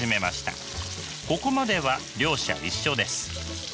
ここまでは両者一緒です。